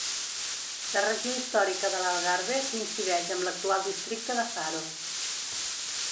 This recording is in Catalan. La regió històrica de l'Algarve coincideix amb l'actual districte de Faro.